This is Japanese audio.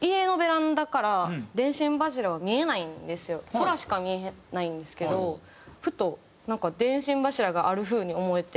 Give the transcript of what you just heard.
空しか見えないんですけどふとなんか電信柱がある風に思えて。